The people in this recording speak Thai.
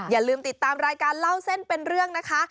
อย่าลืมติดตามรายการเล่าเส้นเป็นเรื่องนะคะ